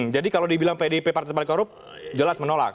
jadi kalau dibilang pdip partai terbalik korup jelas menolak